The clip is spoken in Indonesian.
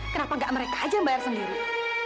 kenapa gak mereka aja yang bayar sendiri